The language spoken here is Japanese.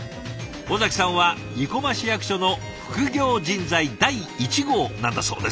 尾崎さんは生駒市役所の副業人材第１号なんだそうです。